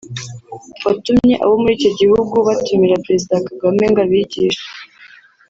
watumye abo muri icyo gihugu batumira Perezida Kagame ngo abigishe